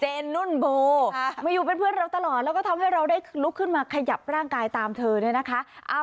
นุ่นโบมาอยู่เป็นเพื่อนเราตลอดแล้วก็ทำให้เราได้ลุกขึ้นมาขยับร่างกายตามเธอเนี่ยนะคะ